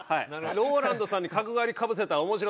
「ＲＯＬＡＮＤさんに角刈りかぶせたら面白そうやな」